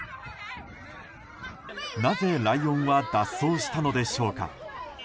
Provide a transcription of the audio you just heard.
なぜライオンは脱走したのでしょうか。